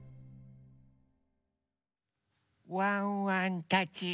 ワンワンたち。